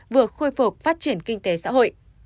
vừa khôi phục phát triển kinh tế xã hội